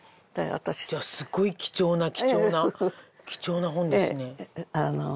じゃあすごい貴重な貴重な貴重な本ですね。